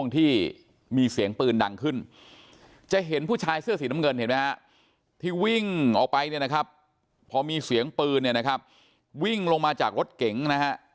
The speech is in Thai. ที่วิ่งออกไปเนี่ยนะครับพอมีเสียงปืนเนี่ยนะครับวิ่งลงมาจากรถเก่งนะฮะ